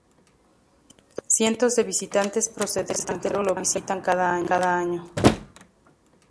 Cientos de visitantes procedentes del extranjero lo visitan cada año.